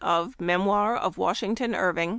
112 Memoir of WasJiiugton Irving.